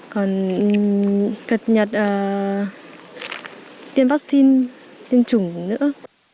còn cập nhật tiêm vaccine tiêm chủng nữa